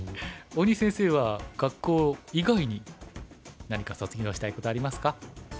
大西先生は学校以外に何か卒業したいことありますか？